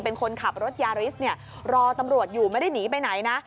เป็นคนขับรถยาริสเนี่ยรอตำรวจอยู่ไม่ได้หนีไปไหนนะ